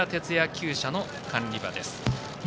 きゅう舎の管理馬です。